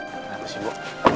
tidak ada apa sih bu